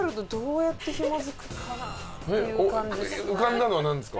浮かんだのはなんですか？